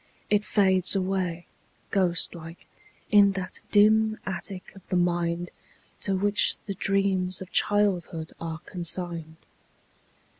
It fades away. Ghost like, in that dim attic of the mind To which the dreams of childhood are consigned.